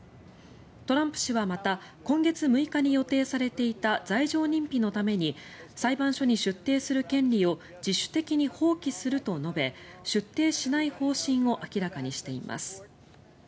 トランプ氏はまた今月６日に予定されていた罪状認否のために裁判所に出廷する権利を自主的に放棄すると述べ出廷しない方針を明らかにしています。